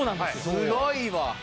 すごいわ。